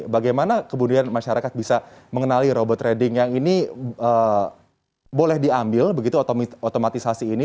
bagaimana kemudian masyarakat bisa mengenali robot trading yang ini boleh diambil begitu otomatisasi ini